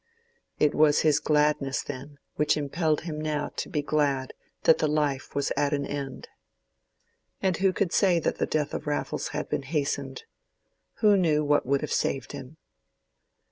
It was his gladness then which impelled him now to be glad that the life was at an end. And who could say that the death of Raffles had been hastened? Who knew what would have saved him?